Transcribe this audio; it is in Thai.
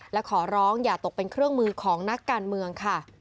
และขอร้องอย่าตกเป็นเครื่องมือของนักการเมืองค่ะ